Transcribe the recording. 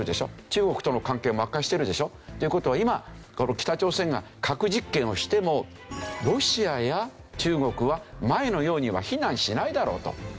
中国との関係も悪化してるでしょ？という事は今北朝鮮が核実験をしてもロシアや中国は前のようには非難しないだろうと。